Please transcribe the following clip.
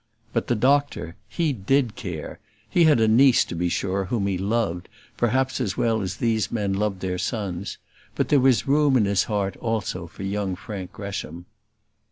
But the doctor, he did care; he had a niece, to be sure, whom he loved, perhaps as well as these men loved their sons; but there was room in his heart also for young Frank Gresham.